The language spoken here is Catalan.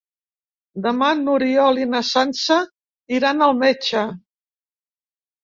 Demà n'Oriol i na Sança iran al metge.